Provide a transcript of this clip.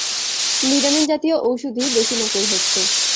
Vitamin জাতীয় ওষুধই বেশি নকল হচ্ছে।